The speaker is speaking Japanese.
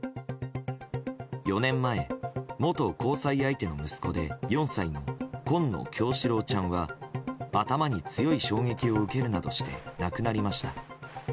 ４年前、元交際相手の息子で４歳の紺野叶志郎ちゃんは頭に強い衝撃を受けるなどして亡くなりました。